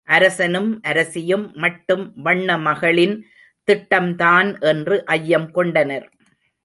அரசனும் அரசியும் மட்டும் வண்ண மகளின் திட்டம்தான் என்று ஐயம் கொண்டனர்.